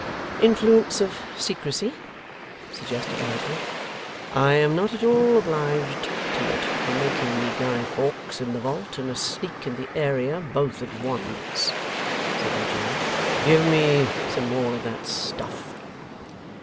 'Influence of secrecy,' suggested Lightwood. 'I am not at all obliged to it for making me Guy Fawkes in the vault and a Sneak in the area both at once,' said Eugene. 'Give me some more of that stuff.